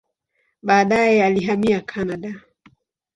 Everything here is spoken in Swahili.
Baadaye alihamia Kanada.